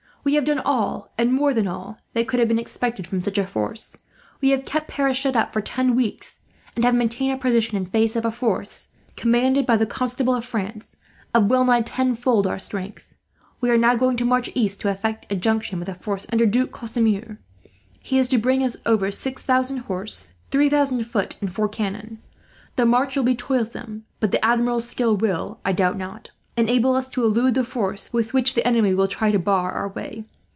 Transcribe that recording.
We have done all, and more than all, that could have been expected from such a force. We have kept Paris shut up for ten weeks, and have maintained our position in face of a force, commanded by the Constable of France, of well nigh tenfold our strength. "We are now going to march east, to effect a junction with a force under Duke Casimir. He is to bring us over six thousand horse, three thousand foot, and four cannon. The march will be toilsome; but the Admiral's skill will, I doubt not, enable us to elude the force with which the enemy will try to bar our way.